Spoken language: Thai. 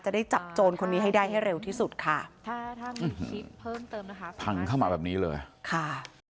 จะได้จับโจรคนนี้ให้ได้ให้เร็วที่สุดค่ะพังเข้ามาแบบนี้เลยค่ะ